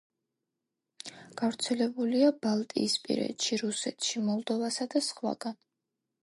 გავრცელებულია ბალტიისპირეთში, რუსეთში, მოლდოვასა და სხვაგან.